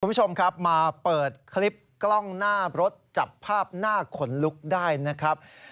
คุณผู้ชมครับมาเปิดคลิปกล้องหน้ารถจับภาพหน้าขนลุกได้นะครับ